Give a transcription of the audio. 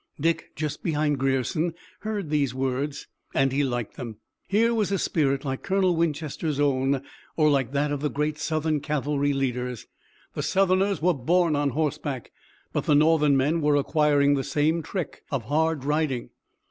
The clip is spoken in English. Dick, just behind Grierson, heard these words and he liked them. Here was a spirit like Colonel Winchester's own, or like that of the great Southern cavalry leaders. The Southerners were born on horseback, but the Northern men were acquiring the same trick of hard riding.